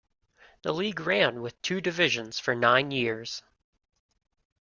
The league ran with two divisions for nine years.